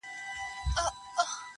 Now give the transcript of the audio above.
موږ په دې پوهیږو چې